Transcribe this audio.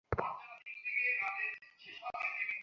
আপনার কোনো অসুবিধা হবে না।